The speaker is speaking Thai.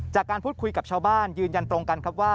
จากการพูดคุยกับชาวบ้านยืนยันตรงกันครับว่า